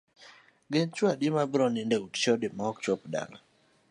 Gin chuo adi mabiro nindo e ute chode kendo ok chop dala?